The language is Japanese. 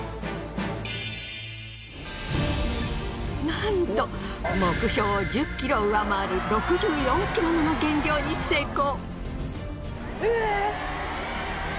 なんと目標を１０ｋｇ上回る６４ｋｇもの減量に成功！